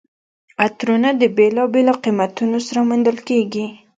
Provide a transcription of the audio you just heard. عطرونه د بېلابېلو قیمتونو سره موندل کیږي.